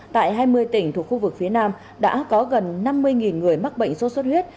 tại hai mươi tỉnh thuộc khu vực phía nam đã có gần năm mươi người mắc bệnh sốt xuất huyết